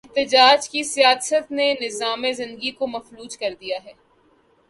احتجاج کی سیاست نے نظام زندگی کو مفلوج کر دیا ہے۔